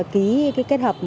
ký kết hợp